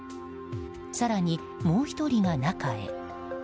更にもう１人が中へ。